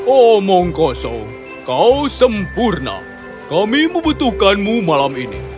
omongkoso kau sempurna kami membutuhkanmu malam ini